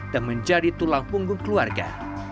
dan menjadi tulang punggung keluarga